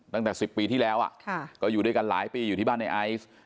ตั้งแต่๑๐ปีที่แล้วก็อยู่ด้วยกันหลายปีอยู่ที่บ้านในไอซ์